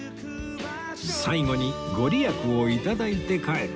最後に御利益をいただいて帰る